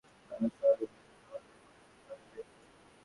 এরপর সরাইল বিশ্বরোড থেকে ব্রাহ্মণবাড়িয়া শহর হয়ে ধরখার পর্যন্ত সড়কটি বেশ সরু।